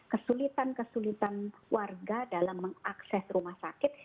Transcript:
kesulitan kesulitan warga dalam mengakses rumah sakit